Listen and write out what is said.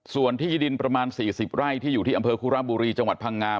ส่วนที่ดินประมาณ๔๐ไร่ที่อยู่ที่อำเภอคุระบุรีจังหวัดพังงา